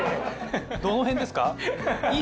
どの辺ですか？